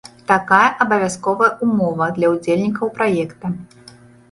Такая абавязковая ўмова для ўдзельнікаў праекта.